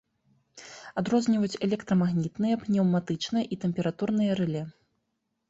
Адрозніваюць электрамагнітныя, пнеўматычныя і тэмпературныя рэле.